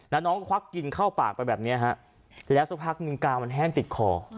แล้วน้องควักกินเข้าปากไปแบบเนี้ยฮะแล้วสักพักหนึ่งกาวมันแห้งติดคอ